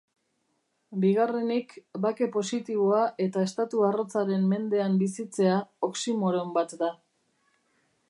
Bigarrenik, bake positiboa eta estatu arrotzaren mendean bizitzea oximoron bat da.